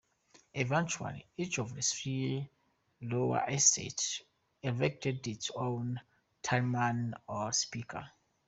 Eventually, each of the three lower estates elected its own talman, or "speaker".